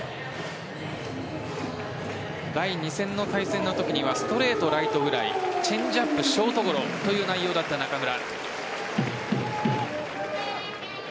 第２戦の対戦のときにはストレート、ライトフライチェンジアップショートゴロという内容だった中村。